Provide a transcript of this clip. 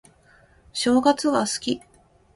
正月が好き